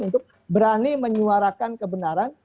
untuk berani menyuarakan kebenaran